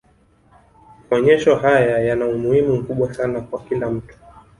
maonyesho haya yana umuhimu mkubwa sana kwa kila mtu